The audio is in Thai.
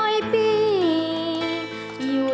ขอบคุณครับ